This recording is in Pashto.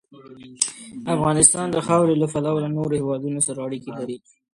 افغانستان د خاورې له پلوه له نورو هېوادونو سره اړیکې لري.